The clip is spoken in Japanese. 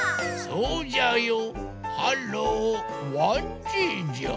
そうじゃよ。